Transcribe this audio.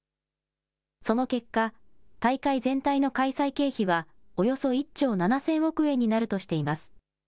その結果、大会全体の開催経費はおよそ１兆７０００億円になるとしています。